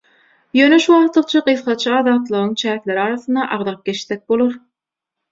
Ýöne şuwagtlykça gysgaça azatlygyň çäkleri arasynda agzap geçsek bolar.